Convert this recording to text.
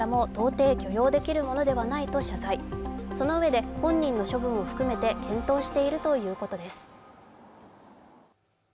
そのえで、本人の処分も含めて検討しているということです。